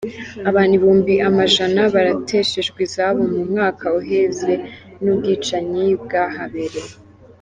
Abantu ibihumbi amajana barateshejwe izabo mu mwaka uheze n'ubwicanyi bwahabereye.